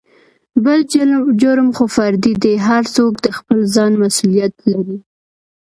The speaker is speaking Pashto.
بل جرم خو فردي دى هر څوک دخپل ځان مسولېت لري.